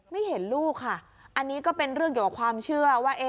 ไม่เห็นลูกค่ะอันนี้ก็เป็นเรื่องเกี่ยวกับความเชื่อว่า